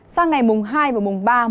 sao ngày mùng hai và mùng ba mưa rứt